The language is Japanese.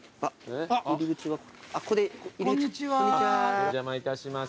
お邪魔いたします。